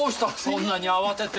そんなに慌てて。